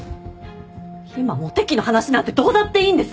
今モテ期の話なんてどうだっていいんです！